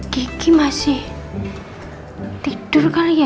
kiki masih tidur kali ya